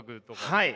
はい。